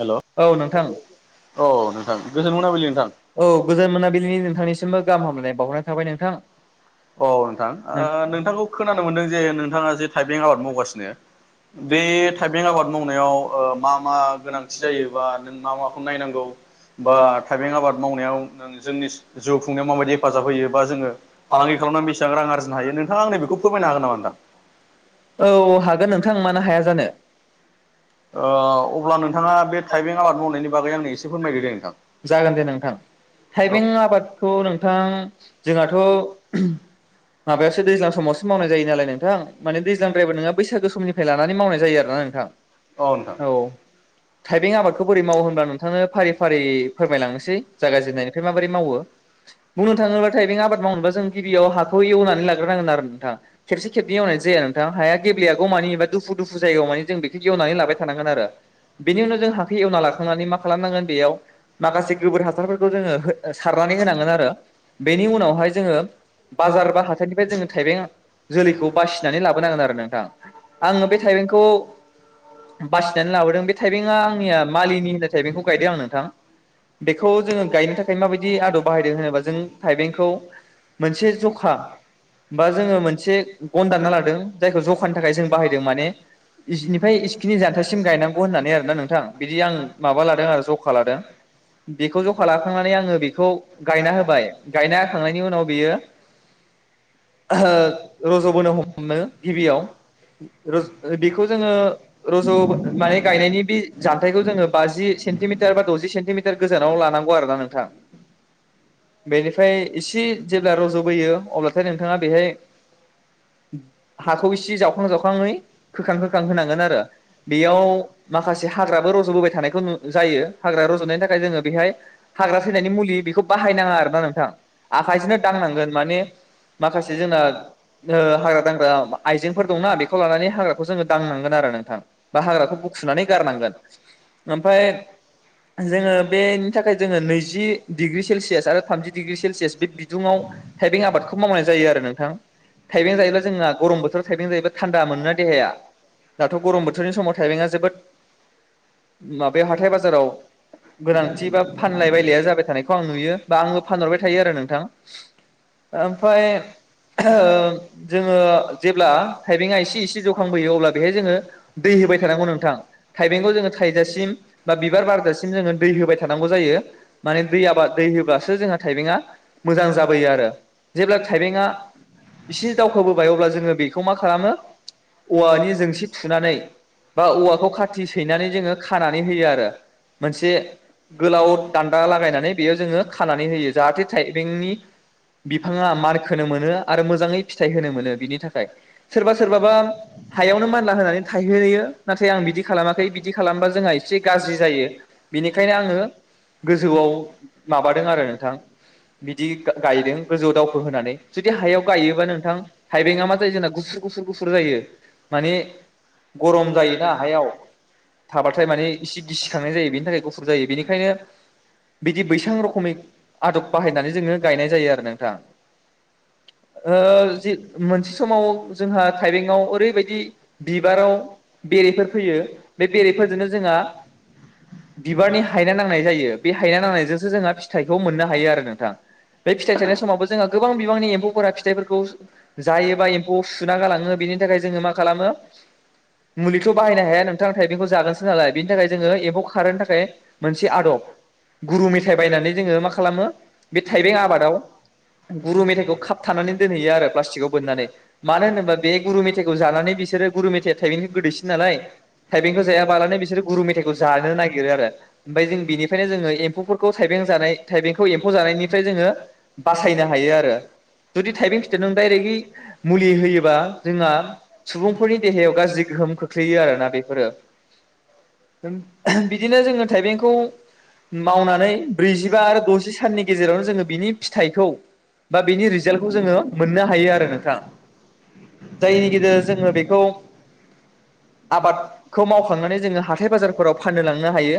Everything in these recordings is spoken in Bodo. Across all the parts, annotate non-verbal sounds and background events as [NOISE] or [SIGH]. हेलौ औ नोंथां अह नोंथां गोजोन मोनाबिलि नोंथां औ अह गोजोन मोनाबिलिनि नोंथांनिसिमबो गाहाम नोंथां हामलायनाय बावहरनाय थाबाय नोंथां। ओ नोंथांखौ खोनानो मोनदों जे नोंथाङा जे थाइबें आबाद मावगासिनो बे थाइबें आबाद मावनायाव ओ मा मा। औ गोनांथि जायो बा औ नों मा माखौ नायनांगौ बा थाइबें आबाद मावनायाव नों जोंनि जिउ खुंनायाव माबायदि हेफाजाब होयो बा जोङो फालांगि खालामनानै बेसेबां रां आरजिनो हायो नोंथाङा आंनो बेखौ फोरमायनो हागोन नामा नोंथां? हागोन नोंथां मानो हाया जानो। औ। अब्ला नोंथाङा बे थाइबें आबाद मावनायनि बागै आंनो एसे फोरमायदो दे नोंथां। जागोन दे नोंथां थाइबें आबादखौ नोंथां जोंहाथ' माबायावसो दैज्लां समावसो मावनाय जायो नालाय नोंथां माने दैज्लांद्रायबो नङा बैसागो समनिफ्राय लानानै मावनाय जायो आरोना नोंथां औ। थाइबें आबादखौ बोरै मावो होनबब्ला नोंथांनो फारि फारि फोरमायलांनोसै जागाय जेननायनिफ्राय माबोरै मावो बुंनो थाङोब्ला थाइबें आबाद मावनोबा जों गिबियाव हाखौ एवनानै लाग्रोनांगोन आरो नोंथां खेबसे खेबनै एवनाय जाया नोंथां हाया गेबेयागौ मानि एबा दुफु दुफु जायगौ मानि जों बे एवनानै लाबाय थानांगोन आरो। बेनि उनाव जों हाखौ एवना लाखांनानै मा खालामनांगोन बेयाव माखासे गोबोर हासारफोरखौ जोङो सारनानै होनांगोन आरो बेनि उनावहाय जोङो बाजार बा हाथायनिफ्राय जोङो थायबें जोलैखौ बासिनानै लाबोनांगोन आरो नोंथां आङो बे थाइबेंखौ। बासिनानै लाबोदों बे थाइबेंआ आंनिया मालिनि होननाय थाइबेंखौ गायदों आं नोंथां बेखौ जोङो गायनो थाखाय माबायदि आदब बाहायदों होनोबा जों थाइबेंखौ मोनसे जखा बा जोङो मोनसे गन दानना लादों जायखौ जखानि थाखाय जों बाहायदों माने बि सिनिफ्राय इसिखिनि जानथायसिम गायनां गौहोननानै आरोना नोंथां बिदि आं माबा लादों आरो जखा लादों बेखौ जखा लाखांनानै आङो बेखौ गायना होबाय गायना होखांनायनि उनाव बियो रजबोनो हमो गिबियाव रज बेखौ जो ङो रजब माने गायनायनि बे जान्थायखौ जोङो बाजि सेन्टिमिटार बा दजि सेन्टिमिटार गोजानाव लानांगौ आरोना नोंथां बेनिफ्राय एसे जेब्ला रजबोयो अब्लाथाय नोंथाङा बेहाय हाखौ एसे जावखां जावखङै खोखां खोखां होनांगोन आरो बेयाव माखासे हाग्राबो रजबोबाय थानायखौ नु जायो हाग्रा रजनायनि थाखाय जोङो बेहाय हाग्रा थैनायनि मुलि बेखौ बाहायना ङा आरो ना नोंथां आखायजोंनो दांनांगोन माने माखासे जोंना ओ हाग्रा दांग्रा आइजेंफोर दंना बेखौ लानानै हाग्राखौ जोङो दांनांगोन आरो नोंथां बा हाग्राखौ बु नै गारनांगोन ओमफ्राय जोंङो बे नि थाखाय जोंङो नैजि दिग्रि सेलस थामजि डिग्रि सेलसियास बे बिदुंआव थाइबें आबादखौ मावनाय जायो आरो नोंथां थाइबें जायोब्ला जोंना गरम बोथोराव थाइबें जायोब्ला थान्दा मोनोना देहाया दाथ गरम बोथोरनि समाव थाइबेंङा जोबोद माबायाव हाथाय बाजाराव गोनांथि बा फानलाय बायलाया जाबाय थानायखौ आं नुयो। बा आंङो फानहरबाय थायो आरो नोंथां ओमफाय ओ जोङो जेब्ला थाइबेंआ एसे एसे जौखांबोयो अब्ला बेहाय जोङो दै होबाय थानांगौ नों थां थाइबेंखौ जोङो थायजासिम बा बिबार बाराजासिम जोङो दै होबाय थानांगौ जायो माने दै आबा दै योब्लासो जोंहा थाइबेंआ मोजां जाबोयो आरो जेब्ला थाइबेंआ एसे दावखोबोबाय अब्ला जोङो बेखौ मा खालामो औवानि जोंसि थुनानै औवाखौ खाथि सैनानै जोङो खानानै होयो आरो मोनसे गोलाव दान्दा लायनानै बेयाव जोङो। खानानै होयो जाहाथे थाइबेंनि बिफाङा मारखोनो मोनो आरो मोजाङै फिथाइ होनो मोनो बिनि थाखाय सोरबा सोरबाबा हायावनो मानला होनानै थाइहोयो। नाथाय आं बिदि खालामाखै बिदि खालामबा जोंहा एसे गाज्रि जायो बेनिखायनो आङो गोजौआव दों आरो नोंथां बिदि गायदों गोजौ दावखो होनानै जुदि हायाव गायोबा नोंथां थाइबेंआ मा जायो जोंना गुफुर गुफुर गुफुर जायो माने गरम जायो। दा हायाव थाबाथाय माने इसे गिसिखांनाय जायो। बेनि थाखाय गुफुर जायो बेनिखायनो बिदि बै सां रखमै आदब बाहायनानै जोङो गायनाय जायो आरो नोंथां ओ जि मोनसे समाव जोंहा थाइबेंआव ओरैबायदि बिबाराव बेरेफोर फैयो बे बेरेफोरजोंनो जोंहा बिबारनि हायना नांनाय जायो बे हायना नांनायजोंसो जों फिथाइखौ मोननो हायो आरो नोंथां बे फिथाइ थायनाय समावबो जोंहा गोबां बिबांनि एम्फौफोरा फिथाइफोरखौ जायोबा एम्फौ सुना गालाङो बेनि थाखाय जोङो मा खालामो मुलिथ बाहायनो हाया नोंथां थाइबेंखौ जागोनसो नालाय बेनि थाखाय जोङो एम्फौ खारहोनो थाखाय मोनसे आदब गुरु मेथाइ बायनानै जोङो मा खालामो बे थाइबें आबादाव गुरु मेथाइखौ खाबथानानै दोनहैयो आरो प्लास्टिकआव बोननानै मानो होनोबा बे गुरु मेथाइखौ जानानै बिसोरो गुरु मेथाइआ थाइबेंनि दैसिन नालाय थाइबेंखौ जायाबालानो बिसोरो गुरु मेथाइखौ जानो नागिरो आरो ओमफ्राय जों बिनिफ्रायनो जोङो एम्फौफोर खौ थाइबें जानाय थाइबेंखौ एम्फौ जानायनिफ्राय जोङो बासायनो हायो आरो जोदि थाइबें फिथायनो दायरेगै मुलि होयोबा जोंहा सुबुंफोरनि देहायाव गाज्रि गोहोम खोख्लैयो आरोना बेफोरो बिदिनो जोङो थाइबेंखौ मावना ओमफाय ब्रैजिबा आरो दजि साननि गेजेरावनो जोङो बिनि फिथाइखौ बा बेनि रिजाल्टखौ जोङो मोननो हायो आरो नोंथां जायनि गेजेर जोङो बेखौ आबादखौ मावखांनानै जोङो हाथाय बाजारफोराव फाननो लांनो हायो।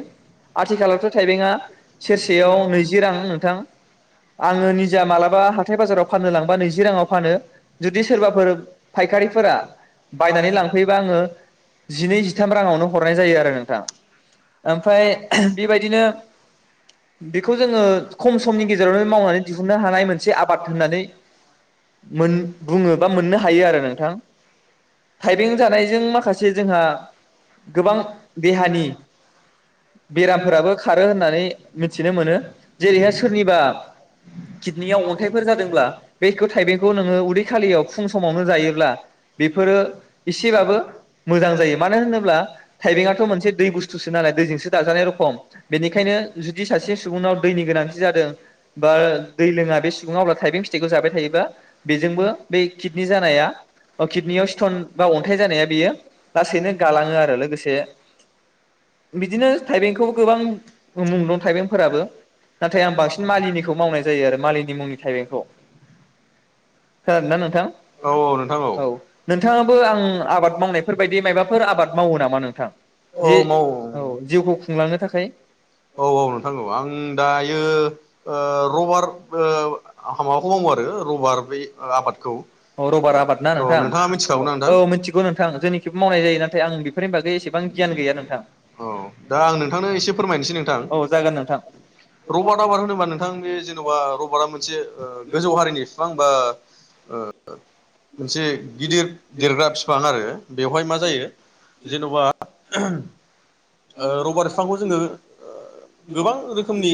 आथिखालावथ थाइबेंआ सेरसेयाव नैजि रां नोंथां आङो निजा मालाबा हाथाय बाजाराव फाननो लांबा नैजि राङाव फानो जुदि सोरबाफोर पायकारि फोरा बायनानै लाफैब्ला ओ जिनै जिथाम राङावनो हरनाय जायो आरो नोंथां ओमफ्राय ओ बेबायदिनो बेखौ जोङो खम समनि गेजेरावनो मावनानै दिहुननो हानाय मोनसे आबाद होननानै मोन बुङो बा मोननो हायो आरो नोंथां थाइबें जानायजों माखासे जोंहा गोबां देहानि बेरामफोराबो खारो होननानै मिथि मिथिनो मोनो जेरैहाय सोरनिबा किदनियाव अन्थाइफोर जादोंब्ला बेखौ थाइबेंखौ नोङो उदै खालियाव फुं समावनो जायोब्ला बेफोरो एसेबाबो मोजां जायो मानो होनोब्ला थाइबेंआथ मोनसे दै बोसथोसो नालाय दैजोंसो दाजानाय रखम बेनिखायनो जु जुदि सासे सुबुंनाव दैनि गोनांथि जादों बा दै लोङा बे सुबुङा अब्ला थाइबें फिथाइखौ जाबाय थायोबा बेजोंबो बे किदनि जानाया अ किदनियाव स्टन बा अन्थाइ जानाया बेयो लासैनो गालाङो आरो लोगोसे बिदिनो थाइबेंखौबो गोबां मुं दं थाइबें फोराबो नाथाय आं बांसिन मालिनिखौ मावनायजायो आरो मालिनि मुंनि थाइबेंखौ खोनादोना नोंथां औ औ नोंथां औ नोंथाङा नोंथाङाबो आं आबाद मावनायफोर बायदि माबाफोर आबाद खोनादोंना नोंथां औ नोंथाङाबो आं आबाद मावनायफोरबायदि मायबाफोर आबाद मावो नामा नोंथां औ जे मावो [INAUDIBLE] औ जिउखौ खुंलांनो थाखाय औ औ नोंथां औ आं दायो औ रबार औ आं माबाखौ मावो आरो रबार बि औ रबार आबाद ना नोंथां नोंथाङा औ मिथिखागौना औ नोंथां मिथिगौ नोंथां जोंनिखिबो मावनाय जायो नाथाय आं बेफोरनि बागै एसेबां गियान गैया नोंथां औ दा आं नोंथांनो एसे फोरमायनोसै नोंथां औ जागोन नोंथां रबार आबाद होनोबा नोंथां जेनबा रबारटा मोनसे गोजौ हारिनि बिफां बा औ ओ मोनसे गिदिर देरग्रा बिफां आरो बेवहाय मा जायो जेनबा रबार बिफांखौ जोङो गोबां रोखोमनि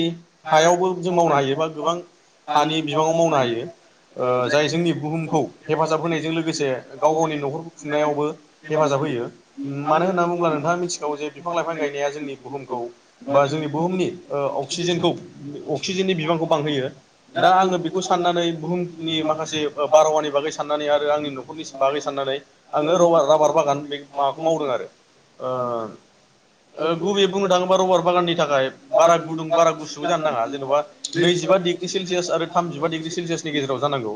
हायावबो जों मावनो हायो बा गोबां हानि बिबाङाव मावनो हायो औ जोंनि बुहुमखौ हेफाजाब होनायजों लोगोसे गाव गावनि नखरखौ खुंनायावबो हेफाजाब होयो मानो होनना बुङोब्ला नोंथाङा मिथिखागौ जे बिफां लाइफां गायनाया जोंनि बुहुमखौ बा जोंनि बुहुमनि अक्सिजेनखौ अक्सिजेननि बिबांखौ बांहोयो दा आङो बेखौ साननानै बुहुमनि मा माखासे बारहावानि बागै साननानै आरो आंनि न' [UNINTELLIGIBLE] बागै साननानै आङो र -राबार बागान बे माबाखौ मावदों आरो ओ गुबैयै बुंनो थाङोबा रबार बागाननि थाखाय बारा गुदुं बारा गुसुबो जानो नाङा जेनबा नैजिबा डिग्रि सेलसियास आरो थामजिबा डिग्रि सेलसियासनि गेजेराव जानांगौ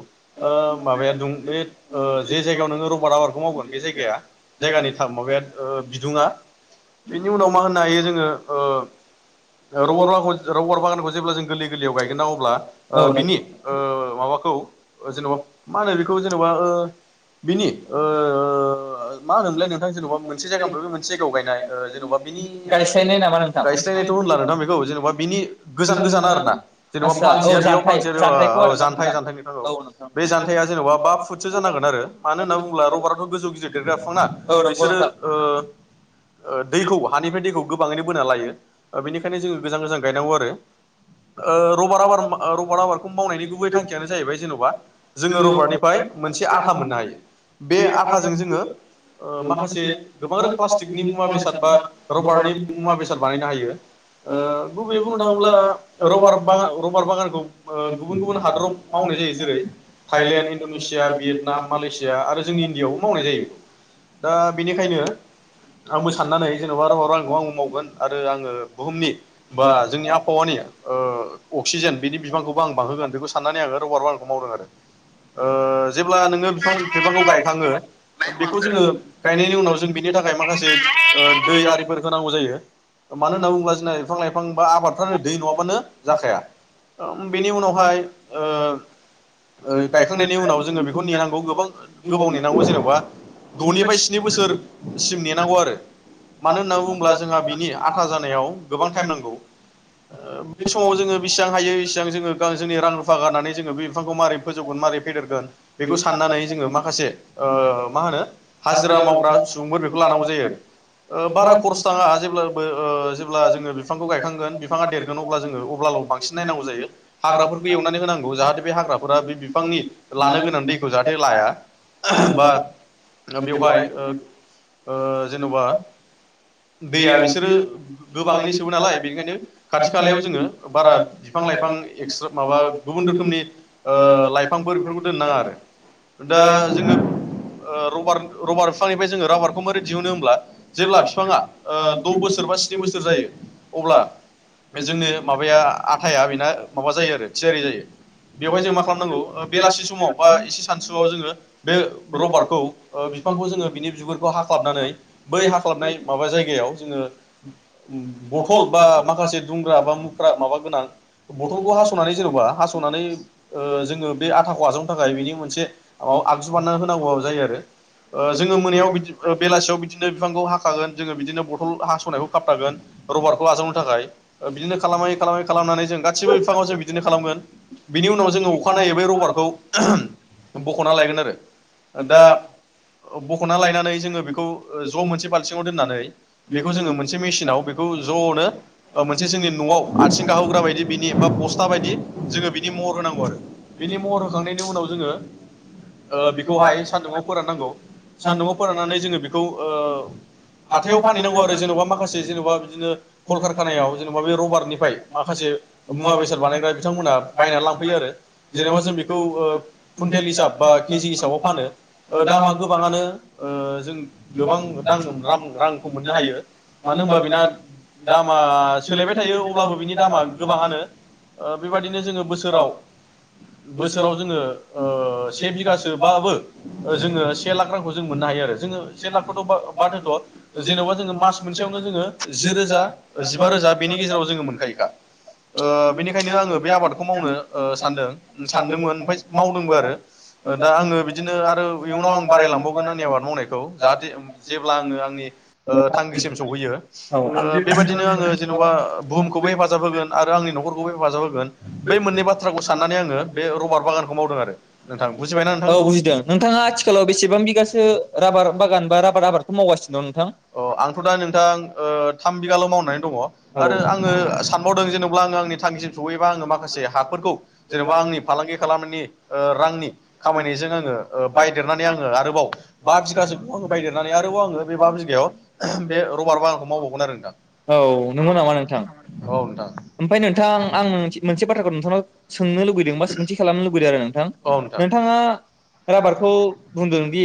ओ माबाया दं बे ओ जे जायगायाव नोङो रबार आबादखौ मावगोन बे जायगाया जायगानि [UNINTELLIGIBLE] माबाया बिदुङा बेनि उनाव मा होननो हायो जोङो ओ रबार राखौ रबार बागानखौ जेब्ला जों गोरलै गोरलैयाव गायगोन ना अब्ला औ ओ बिनि ओ माबाखौ जेनबा मा होनो बेखौ जेनबा ओ बिनि ओ मा होनोमोनलाय नोंथां जेनबा मोनसे नों जायगानिफ्राय बे मोनसे जायगायाव गायनाय ओ जेनबा बिनि गायस्लायनाय नामा नोंथां? गायस्लायनायथ होनला नोंथां बेखौ जेनबा बिनि गोजान गोजान आरो ना जेनबा आदसा औ फांसेया बेयाव जानथाय फांसे अ जानथायखौ अ आरोना जानथाइ जानथाइ नोंथां औ बे जान्थाया जेनबा बा फुटसो जानांगोन आरो मानो औ होननानै बुङोब्ला रबाराथ गोजौ गिदिर देरग्रा बिफाङा नंगौ बिसोरो नोंथां ओ ओ दैखौ हानिफ्राय दैखौ गोबाङैनो बोना लायो बेनिखायनो जोङो गोजान गोजान गायनांगौ आरो ओ रबार आबार रबार आबादखौ मावनायनि गुबै थांखियानो जाहैबाय जेनबा जोङो रबार्टनिफ्राय मोनसे आथा मोननो हायो बे आथाजों जोङो ओ माखासे गोबां रो प्लास्टिकनि मुवा बेसाद बा रबारनि मुवा बेसाद बानायनो हायो ओ गुबैयै बुंनो थाङोब्ला रबार बागान रबार बागानखौ ओ गुबुन गुबुन हादराव मावनाय जायो जेरै थाइलेण्ड इनडनेसिया ना मालेसिया आरो जोंनि इण्डियआवबो मावनाय जायो दा बेनिखायनो आंबो सान्नानै जेनेबा रबार्ट बागानखौ आंबो मावगोन आरो आङो बुहुमनि बा जोंनि आबहावानि ओ अक्सिजेन बिनि बिबांखौ बो आं बांहोगोन बेखौ सान्नानै आं बे रबार्ट बागानखौ मावदों आरो। ओ जेब्ला नोङो बिफां बिफांखौ गायखाङो बेखौ जोङो गायनायनि उनाव जों बेनि थाखाय माखासे ओ दै आरिफोर होनांगौ जायो मानो होनना बुङोब्ला जोंना बिफां लाइफां बा आबादफ्रानो दै नङाबानो जाखाया बेनि उनावहाय ओ ओ गायखांनायनि उनाव जों [UNINTELLIGIBLE] नेनांगौ गोबां गोबाव नेनांगौ जेनबा दनिफ्राय स्नि बोसोर सिम नेनांगौ आरो मानो होन्ना बुङोब्ला जोंहा बिनि आथा जानायाव गोबां टायेम नांगौ [UNINTELLIGIBLE] समाव जोंङो बेसेबां हायो एसेबां जोङो जोंनि रां रुफा गारनानै जोङो बे बिफांखौ मारै [UNINTELLIGIBLE] मारै फेदेरगोन? बेखौ साननानै जोङो माखासे ओ मा होनो हाजिरा मावग्रा सुबुंफोर बेखौ लानांगौ जायो ओ बारा खरसा [UNINTELLIGIBLE] जेब्लाबो जेब्ला जोङो बिफांखौ गायखांगोन बिफाङा देरगोन अब्ला जोङो अब्लाल बांसिन नायनांगौ जायो हाग्राफोरखौ एवनानै होनांगौ जाहाथे बे हाग्रा बा बि-बिफांनि लानो गो खौ जाहाथे लाया बा बेवहाय ओ ओ जेनबा दैया बिसोरो गोबाङैनो सोबो नालाय बेनिखायनो खाथि खालायाव जोङो बारा बिफां लाइफां एक्सट्रा माबा गुबुन रोखोमनि ओ लाइफांफोर बेफोरखौबो दोन्नो नाङा आरो दा जों ओ रबार रबार बिफांनिफ्राय जोङो राबारखौ माबोरै दिहुनो होनब्ला जेब्ला फिफाङा ओ द बोसोर बा स्नि बोसोर जायो अब्ला जोंनि माबाया आथाया बेना माबा जायो आरो इसे ओरै जायो बेवहाय जों मा खालामनांगौ ओ बेलासि समाव बा सानसुआव जोङो बे रबारखौ ओ बिफांखौ जोङो बिनि बिगुरखौ हाख्लाबनानै बै हाख्लाबनाय माबा जायगायाव जोङो बथल बा माखासे दुंग्रा बा मुख्रा माबा गोनां बथलखौ हासनानै जेनबा हासनानै ओ जोङो बे आथाखौ आजावनो थाखाय बेनि अ आगजु बानायना होनांगौ जायो आरो ओ जोङो मोनायाव बिदि बेलासियाव बिदिनो बिफांखौ हाखागोन जोङो बिदिनो बथल हासनायखौ खाबथागोन रबारखौ आजावनो थाखाय ओ बिदिनो खालामै खालामै खालामनानै जों गासिबो बिफाङाव जों बिदिनो खालामगोन। बिनि उनाव जोङो अखानायै बै रबारखौ बखना लायगोन आरो दा बखना लायनानै जोङो बेखौ ज मोनसे बाल्थिङाव दोननानै बेखौ जोङो मोनसे मेसिनाव बेखौ जनो मोनसे जोंनि नआव आथिं गाहोग्रा बायदि बिनि बा बस्था बायदि जोङो बि। नि महर होनांगौ आरो बिनि महर होखांनायनि उनाव जोङो। ओ बेखौहाय सान्दुङाव फोराननांगौ सान्दुङाव फोराननानै जोङो बेखौ ओ हाथायाव फानहैनांगौ आरो जेनबा माखासे जेनेबा बिदिनो कलकारखानायाव जेनेबा बे रबारनिफ्राय माखासे मुवा बेसाद बानायग्रा बिथांमोना। बायनानै लांफैयो आरो जेनेबा जों बेखौ ओ कुन्टेल हिसाब बा केजि हिसाबाव फानो ओ दामा गोबाङानो ओ जों गोबां दां रां-रांखौ मोननो हायो मानो होनबा बेना दामा सोलायबाय थायो अब्लाबो बिनि दामा गोबाङानो ओ बेबादिनो जोङो बोसोराव बोसोराव जोङो ओ से बिघासोबाबो जोङो से लाख रांखौ जों मोननो हायो आरो जोङो से लाखखौथ बाद होथ जेनबा जोङो मास मोनसेयावनो जोङो जि रोजा जिबा रोजा बेनि गेजेराव जोङो मोनखायोखा ओ बेनिखायनो आङो बे आबाद खौ मावनो ओ सानदों-सानदोंमोन ओमफाय मावदोंबो आरो ओ दा आङो बिदिनो आरो इयुनाव आं बारायलांबावगोन आंनि आबाद मावनायखौ जाहाथे जेब्ला आङो आंनि ओ थांखिसिम सहैयो ओ बेबायदिनो आङो जेनबा बुहुमखौबो हेफाजाब होगोन आरो आंनि नखरखौबो हेफाजाब होगोन बै मोननै बाथ्राखौ साननानै आङो बे रबाट बागान बुजिबायना नोंथां औ बुजिदों नोंथाङा आथिखालाव बेसेबां बिगासो राबार बागान बा राबार आबादखौ मावगासिनो दं नोंथां औ आंथ दा नोंथां ओ थाम बिगाल मावनानै दङ औ औ [UNINTELLIGIBLE] से हाफोरखौ जेनेबा आंनि फालांगि खालामनायनि ओ रांनि खामायनायजों आङो बायदेरनानै आङो आरोबाव बा बिगासोखौ आङो बायदेरनानै आरोबाव आङो बे बा बिगायाव बे औ। रबार बा आंखौ मावबावगोन आरो नोंथां औ नंगौ नामा नोंथां औ नोंथां बाथाखौ नोंथांनाव सोंनो लुबैदों बा सोंथि खालाम लु बैद आरो नोंथां औ नोंथां नोंथाङा राबारखौ बुंदोंदि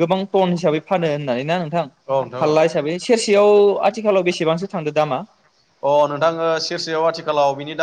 गोबां टन हिसाबै फानो होननानै ना नोंथां औ नोंथां हालला हिसाबै सेरसेयाव आथिखालाव बेसेबांसो थांदो दामा औ अ नोंथां सेरसेयाव आथिखालाव बिनि दामा